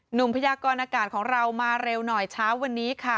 พยากรอากาศของเรามาเร็วหน่อยเช้าวันนี้ค่ะ